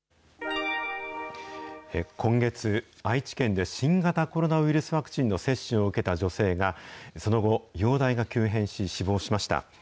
今月、愛知県で新型コロナウイルスワクチンの接種を受けた女性が、その後、容体が急変し、死亡しました。